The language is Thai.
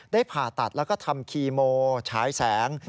ผ่าตัดแล้วก็ทำคีโมฉายแสง